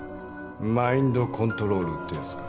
マインドコントロールってやつか。